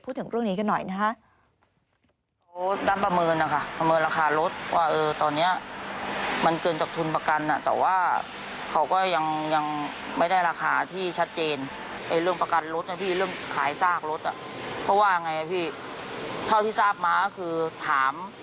พูดถึงเรื่องนี้กันหน่อยนะฮะ